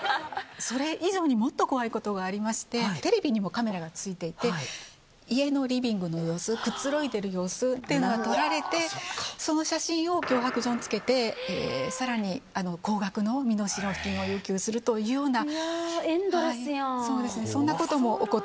それ以上にもっと怖いことがありまして、テレビにもカメラがついていて、家のリビングの様子、くつろいでる様子というのが撮られて、その写真を脅迫状につけて、さらに高額の身代金を要求するというような。